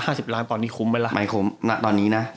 ๕๐ล้านครับตอนนี้คุ้มไปล่ะไม่คุ้มตอนนี้นะ